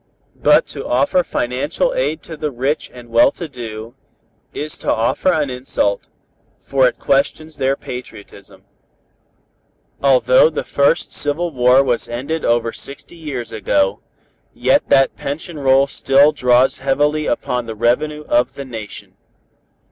But to offer financial aid to the rich and well to do, is to offer an insult, for it questions their patriotism. Although the first civil war was ended over sixty years ago, yet that pension roll still draws heavily upon the revenue of the Nation.